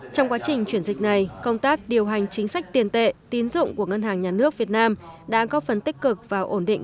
trong quá trình chuyển dịch này công tác điều hành chính sách tiền tệ tín dụng của ngân hàng nhà nước việt nam đã có phần tích cực và ổn định